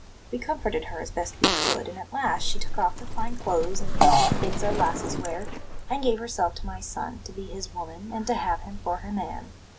We comforted her as best we could; and at last she took off her fine clothes and put on the things our lasses wear, and gave herself to my son, to be his woman and to have him for her man.